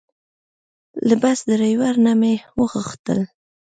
له بس ډریور نه مې وغوښتل.